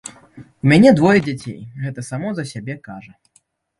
У мяне двое дзяцей, гэта само за сябе кажа.